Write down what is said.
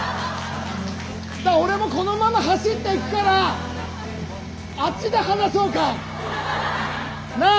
だから俺もこのまま走っていくからあっちで話そうか。なあ。